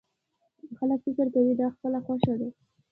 خلک فکر کوي دا خپله خوښه ده.